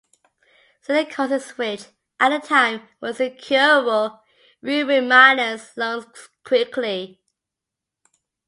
Silicosis which, at the time, was incurable, ruined miners' lungs quickly.